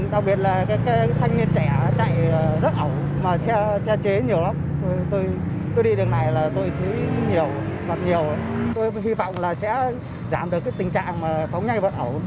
đặc biệt là giới trẻ hay lợi dụng đường vắng đua xe trên tuyến đường này